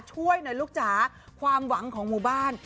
ช่วยหน่อยลูกจ๋าความหวังของหมู่บ้าน